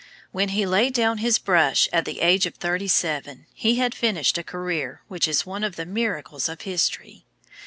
When he laid down his brush at the age of thirty seven, he had finished a career which is one of the miracles of history.